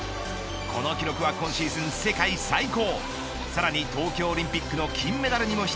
この記録は今シーズン世界最高。